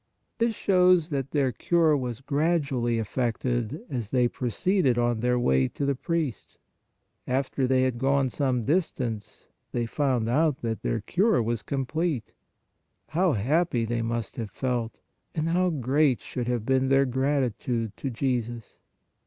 This shows that their cure was gradually effected as they proceeded on their way to the priests. After they had gone some distance, they found out that their cure was complete. How happy they must have felt, and how great should have been their gratitude to Jesus